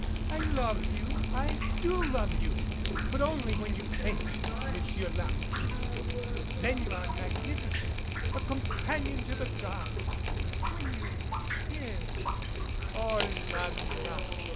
I love you I do love you but only when you paint, monsieur I'artiste then you are magnificent a companion to the gods! When you kiss Oh, la la